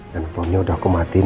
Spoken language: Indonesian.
dan telfonnya udah aku matiin